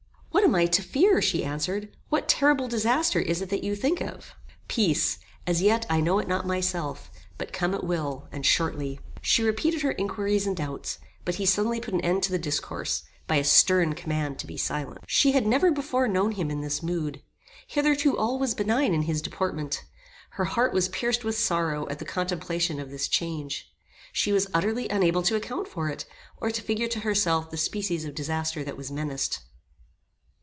"What am I to fear?" she answered. "What terrible disaster is it that you think of?" "Peace as yet I know it not myself, but come it will, and shortly." She repeated her inquiries and doubts; but he suddenly put an end to the discourse, by a stern command to be silent. She had never before known him in this mood. Hitherto all was benign in his deportment. Her heart was pierced with sorrow at the contemplation of this change. She was utterly unable to account for it, or to figure to herself the species of disaster that was menaced.